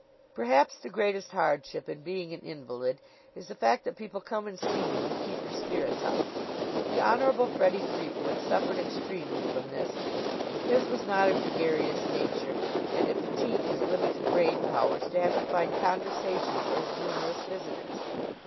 Perhaps the greatest hardship in being an invalid is the fact that people come and see you and keep your spirits up. The Honorable Freddie Threepwood suffered extremely from this. His was not a gregarious nature and it fatigued his limited brain powers to have to find conversation for his numerous visitors.